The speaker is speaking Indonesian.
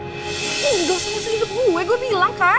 lo gak usah ngurusin hidup gue gue bilang kan